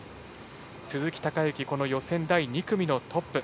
鈴木孝幸、予選第２組のトップ。